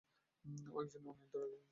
ও একজন অনিয়ন্ত্রিত এলিয়েন।